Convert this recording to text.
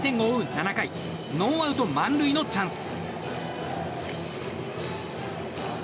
７回ノーアウト満塁のチャンス。